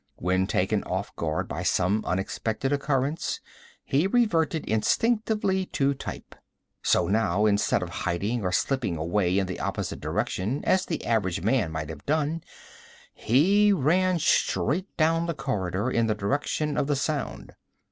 When taken off guard by some unexpected occurrence, he reverted instinctively to type. So now, instead of hiding or slipping away in the opposite direction as the average man might have done, he ran straight down the corridor in the direction of the sound.